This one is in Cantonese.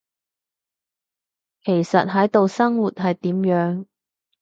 其實喺度生活，係點樣？